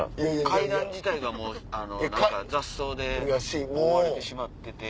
階段自体がもう雑草で覆われてしまってて。